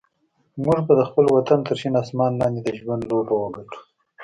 موږ به د خپل وطن تر شین اسمان لاندې د ژوند لوبه وګټو.